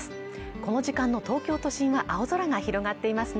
この時間の東京都心は青空が広がっていますね